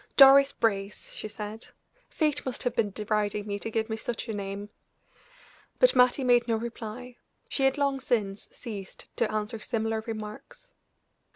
"Doris Brace!" she said. "Fate must have been deriding me to give me such a name." But Mattie made no reply; she had long since ceased to answer similar remarks.